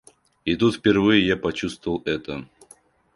И тут впервые я почувствовал это.